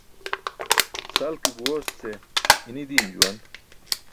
Sal ke guyoos ce i̇ṅi̇ di̇im juwan.